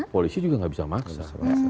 polisi juga nggak bisa maksa